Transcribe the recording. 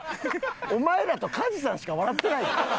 お前らと加地さんしか笑ってないで。